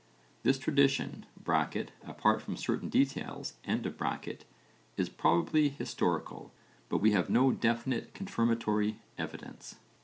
This tradition (apart from certain details) is probably historical, but we have no definite confirmatory evidence.